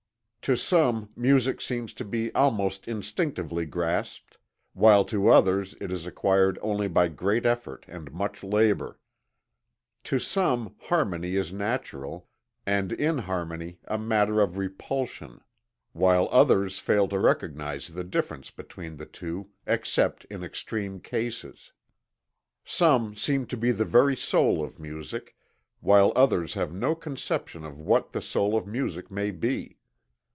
To some music seems to be almost instinctively grasped, while to others it is acquired only by great effort and much labor. To some harmony is natural, and inharmony a matter of repulsion, while others fail to recognize the difference between the two except in extreme cases. Some seem to be the very soul of music, while others have no conception of what the soul of music may be.